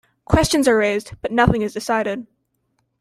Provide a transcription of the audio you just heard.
Questions are raised, but nothing is decided.